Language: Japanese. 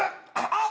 あっ！